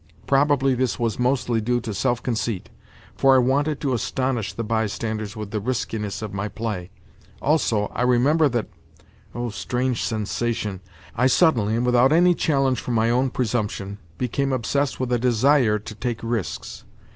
Probably this was mostly due to self conceit, for I wanted to astonish the bystanders with the riskiness of my play. Also, I remember that—oh, strange sensation!—I suddenly, and without any challenge from my own presumption, became obsessed with a desire to take risks.